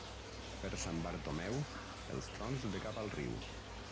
Per Sant Bartomeu, els trons de cap al riu.